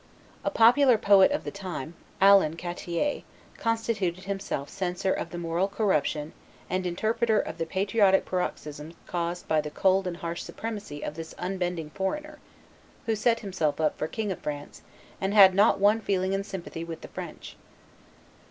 A popular poet of the time, Alan Chattier, constituted himself censor of the moral corruption and interpreter of the patriotic paroxysms caused by the cold and harsh supremacy of this unbending foreigner, who set himself up for king of France, and had not one feeling in sympathy with the French.